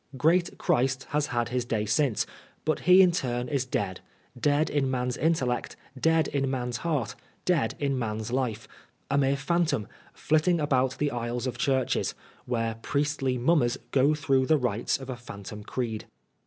Great Christ has had his day since, but he in turn is dead ; dead in man's intellect, dead in man's heart, dead in man's life ; a mere phantom, flitting about the aisles of chuirches, where priestly mummers go through the rites of a phantom preed.